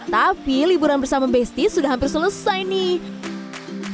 tapi liburan bersama besti sudah hampir selesai nih